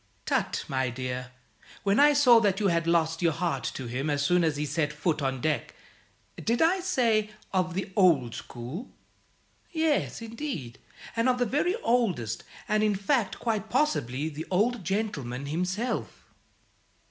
"Tut, my dear! When I saw that you had lost your heart to him as soon as he set foot on deck! Did I say 'of the old school'? Yes, indeed, and of the very oldest; and, in fact, quite possibly the Old Gentleman himself."